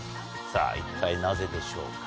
さぁ一体なぜでしょうか？